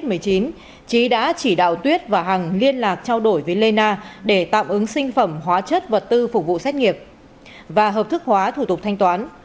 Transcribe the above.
trịnh quang trí đã chỉ đạo tuyết và hằng liên lạc trao đổi với lê na để tạm ứng sinh phẩm hóa chất vật tư phục vụ xét nghiệp và hợp thức hóa thủ tục thanh toán